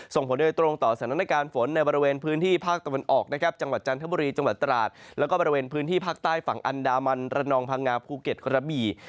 ส่งผลโดยตรงต่อสถานการณ์ฝนในบริเวณพื้นที่ภาคตะวันออกนะครับจังหวัดจันทบุรีจังหวัดตราดแล้วก็บริเวณพื้นที่ภาคใต้ฝั่งอันดามันระนองพังงาภูเก็ตกระบี่